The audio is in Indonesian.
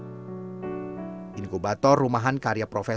memiliki keuntungan yang sangat penting